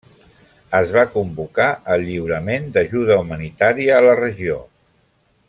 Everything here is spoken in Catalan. Es va convocar el lliurament d'ajuda humanitària a la regió.